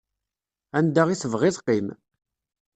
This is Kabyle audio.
Anda i tebɣiḍ qqim.